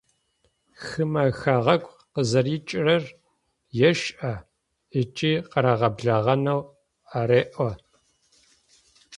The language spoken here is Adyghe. Хымэ хэгъэгу къызэрикӏырэр ешӏэ, ыкӏи къырагъэблэгъэнэу ареӏо.